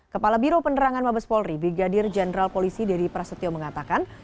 kepala biro penerangan mabes polri brigadir jenderal polisi dedy prasetyo mengatakan